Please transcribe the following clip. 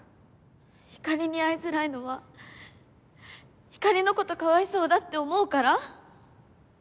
ひかりに会いづらいのはひかりのことかわいそうだって思うから？